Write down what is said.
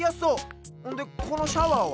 ほんでこのシャワーは？